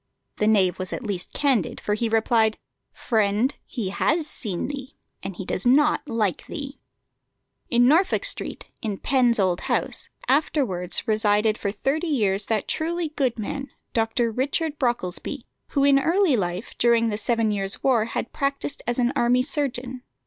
The knave was at least candid, for he replied: "Friend, he has seen thee, and he does not like thee." In Norfolk Street, in Penn's old house, afterwards resided for thirty years that truly good man, Dr. Richard Brocklesby, who in early life, during the Seven Years' War, had practised as an army surgeon.